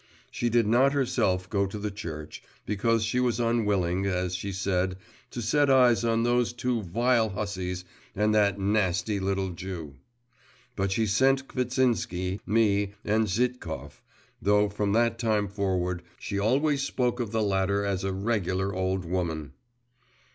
She did not herself go to the church, because she was unwilling, as she said, to set eyes on those two vile hussies and that nasty little Jew. But she sent Kvitsinsky, me, and Zhitkov, though from that time forward she always spoke of the latter as a regular old woman.